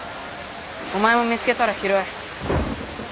お前も見つけたら拾え。